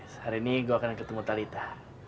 sehari ini gue akan ketemu talitha